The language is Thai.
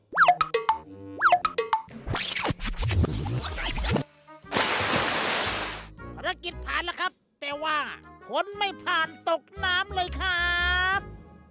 ภารกิจผ่านแล้วครับแต่ว่าคนไม่ผ่านตกน้ำเลยครับ